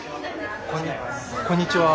こんにちは。